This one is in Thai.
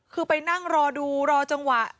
คือไปนั่งรอดูรอจังหวะ